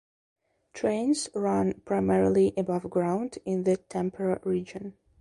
Trains run primarily above ground in the Tampere region.